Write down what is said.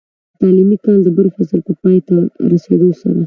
د تعليمي کال د بل فصل په پای ته رسېدو سره،